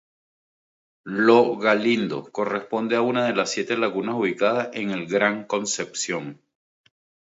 Lo Galindo corresponde a una de las siete lagunas ubicadas en el Gran Concepción.